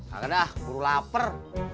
gak ada lah guru lapar